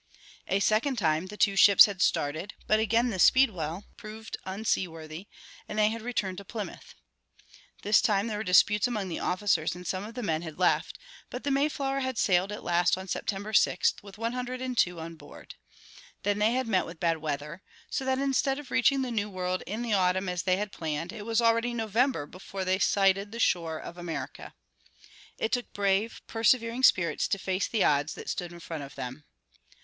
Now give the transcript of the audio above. A second time the two ships had started, but again the Speedwell proved unseaworthy, and they had returned to Plymouth. This time there were disputes among the officers and some of the men had left, but the Mayflower had sailed at last on September sixth with one hundred and two on board. Then they had met with bad weather, so that instead of reaching the new world in the autumn as they had planned, it was already November before they sighted the shore of America. It took brave, persevering spirits to face the odds that stood in front of them.